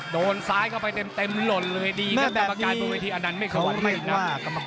โดนซ้ายเข้าไปเต็มหล่นเลยดีกับกรรมการบริเวธีอานันต์เมฆสวรรค์อีกนั้น